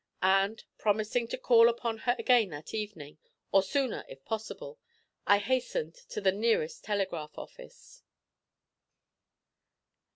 And promising to call upon her again that evening, or sooner if possible, I hastened to the nearest telegraph office.